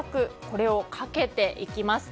これをかけていきます。